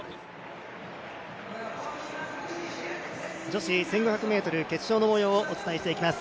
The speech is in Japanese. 女子１５００ｍ決勝の模様をお伝えしていきます。